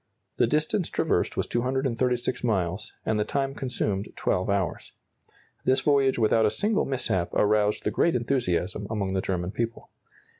The distance traversed was 236 miles, and the time consumed 12 hours. This voyage without a single mishap aroused the greatest enthusiasm among the German people.